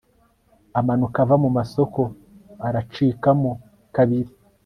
amanuka ava mu masoko aracikamo kabiri